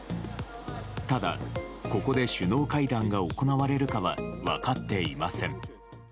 ただ、ここで首脳会談が行われるかは分かっていません。